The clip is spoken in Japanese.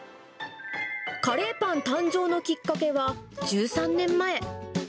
カレーパン誕生のきっかけは、１３年前。